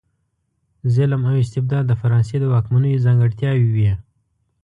ظلم او استبداد د فرانسې د واکمنیو ځانګړتیاوې وې.